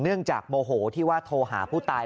เนื่องจากโมโหที่ว่าโทรหาผู้ตาย